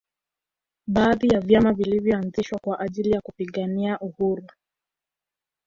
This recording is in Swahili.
Baadhi ya vyama vilinyoanzishwa kwa ajili ya kupiganiwa uhuru